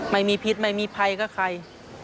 ไม่มีพิษไม่มีภัยกับใคร